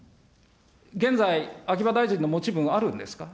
現在、秋葉大臣の持ち分、あるんですか。